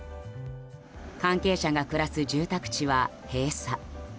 関係者が暮らす住宅地は閉鎖。